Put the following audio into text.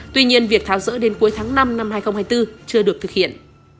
tuy nhiên việc tháo rỡ đến cuối tháng năm năm hai nghìn hai mươi bốn chưa được thực hiện